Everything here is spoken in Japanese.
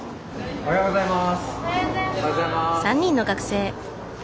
おはようございます。